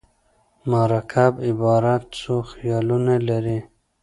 مرکب عبارت څو خیالونه لري.